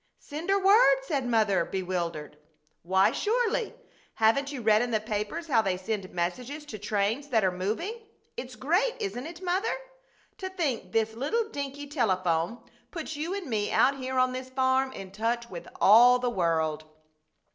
"Send her word!" said Mother, bewildered. "Why, surely! Haven't you read in the papers how they send messages to trains that are moving? It's great, isn't it, Mother? To think this little dinky telephone puts you and me out here on this farm in touch with all the world."